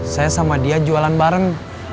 saya sama dia jualan bareng